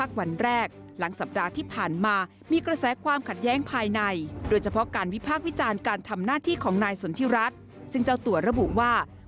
เขาตามคำนึงถึงประเทศไทยด้วย